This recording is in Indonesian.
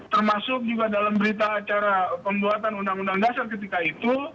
termasuk juga dalam berita acara pembuatan undang undang dasar ketika itu